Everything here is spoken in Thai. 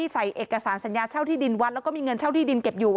ใส่เอกสารสัญญาเช่าที่ดินวัดแล้วก็มีเงินเช่าที่ดินเก็บอยู่